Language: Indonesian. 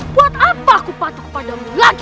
buat apa aku patuh pada mu lagi